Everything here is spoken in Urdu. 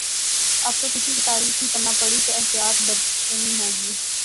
اب تو کسی کی تعریف بھی کرنا پڑی تو احتیاط برتنی ہو گی